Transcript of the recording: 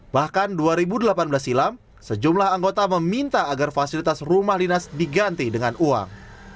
bahkan dua ribu delapan belas silam sejumlah anggota meminta agar fasilitas rumah dinas diganti dengan uang